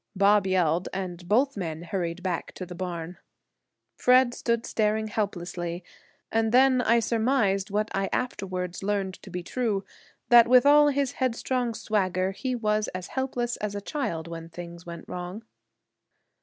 Bob yelled, and both men hurried back to the barn. Fred stood staring helplessly, and then I surmised, what I afterwards learned to be true, that with all his headstrong swagger he was as helpless as a child when things went wrong.